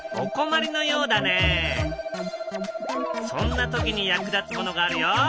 そんな時に役立つものがあるよ。